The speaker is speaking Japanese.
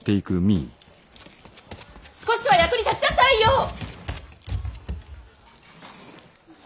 少しは役に立ちなさいよ！